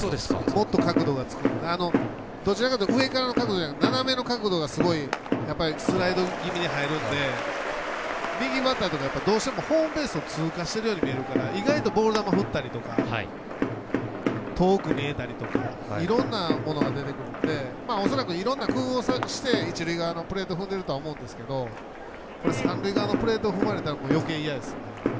もっと角度がついてどちらかというと上からより斜めの角度からスライド気味に入るので右バッターにとってはどうしてもホームベースを通過してるように見えるからボール球振ったりとか遠く見えたりとかいろんなものが出てくるので恐らく、いろんな工夫をして一塁側のプレートを踏んでいると思うんですけど三塁側のプレート踏まれたらよけい嫌です。